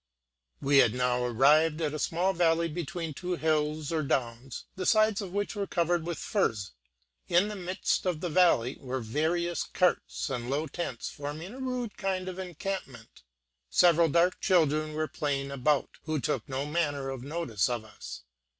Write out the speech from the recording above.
We had now arrived at a small valley between two hills, or downs, the sides of which were covered with furze; in the midst of this valley were various carts and low tents forming a rude kind of encampment; several dark children were playing about, who took no manner of notice of us.